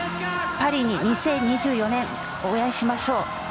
パリで２０２４年お会いしましょう！